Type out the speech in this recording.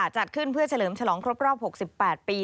จัดขึ้นเพื่อเฉลิมฉลองครบรอบ๖๘ปี